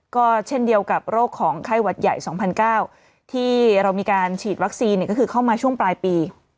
ก็เช่นเดียวกับโรคของไข้หวัดใหญ่๒๙๐๐ที่เรามีการฉีดวัคซีนก็คือเข้ามาช่วงปลายปี